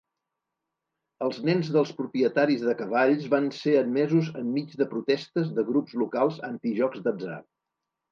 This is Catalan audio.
Els nens dels propietaris de cavalls van ser admesos enmig de protestes de grups locals anti-jocs d'atzar.